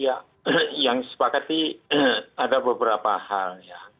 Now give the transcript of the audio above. ya yang sepakat sih ada beberapa hal